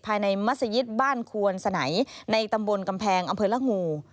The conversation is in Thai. มัศยิตบ้านควนสนัยในตำบลกำแพงอำเภอละงู